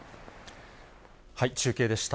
中継でした。